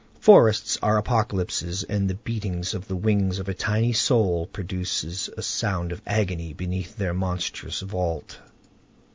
Forests are apocalypses, and the beating of the wings of a tiny soul produces a sound of agony beneath their monstrous vault.